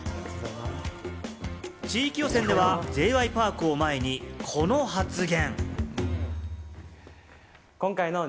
地域予選ではＪ．Ｙ．Ｐａｒｋを前にこの発言。